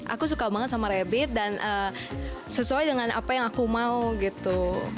aku suka banget sama rabbit dan sesuai dengan apa yang aku mau gitu